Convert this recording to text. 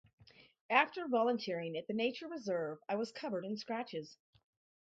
After volunteering at the nature reserve I was covered in scratches.